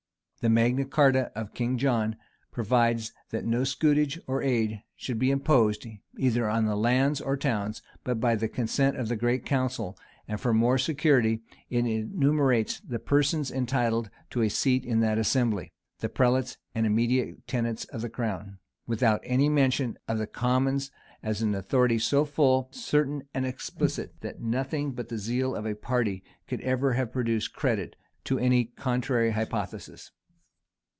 The Magna Charta of King John provides that no scutage or aid should be imposed, either on the land or towns, but by consent of the great council; and for more security it enumerates the persons entitled to a seat in that assembly, the prelates and immediate tenants of the crown, without any mention of the commons; an authority so full, certain, and explicit, that nothing but the zeal of party could ever have procured credit to any contrary hypothesis.